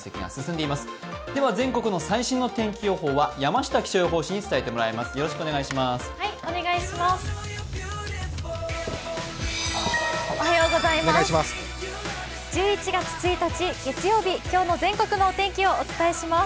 では全国の最新の天気予報は山下気象予報士に伝えていただきます。